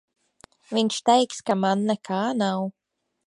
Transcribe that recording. Viņš teiks, ka man nekā nav.